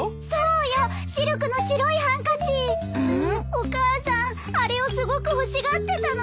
お母さんあれをすごく欲しがってたのに。